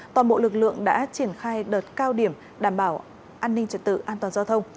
toàn bộ lực lượng đã triển khai đợt cao điểm đảm bảo an ninh trật tự an toàn giao thông